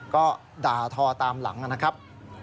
ก็ด่าทอตามหลังนะครับ